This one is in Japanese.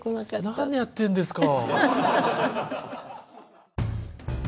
なにやってんですか。